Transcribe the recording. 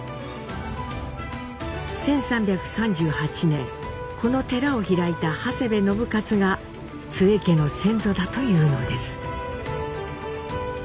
１３３８年この寺を開いた長谷部信雄が津江家の先祖だというのです。